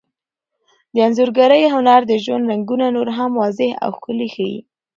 د انځورګرۍ هنر د ژوند رنګونه نور هم واضح او ښکلي ښيي.